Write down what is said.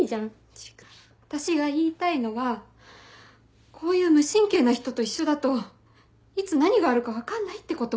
違う私が言いたいのはこういう無神経な人と一緒だといつ何があるか分かんないってこと。